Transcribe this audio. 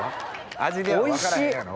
味では分からへんやろ。